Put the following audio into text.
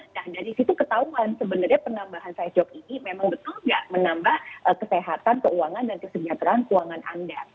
nah dari situ ketahuan sebenarnya penambahan side job ini memang betul nggak menambah kesehatan keuangan dan kesejahteraan keuangan anda